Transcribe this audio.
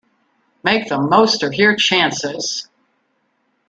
Make the most of your chances.